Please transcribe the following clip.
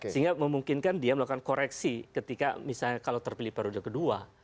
sehingga memungkinkan dia melakukan koreksi ketika misalnya kalau terpilih periode kedua